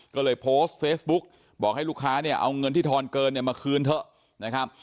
ก็เลยโพสต์เฟซบุ๊กบอกให้ลูกค้าเนี่ยเอาเงินที่ทอนเกินเนี่ยมาคืนเถอะนะครับ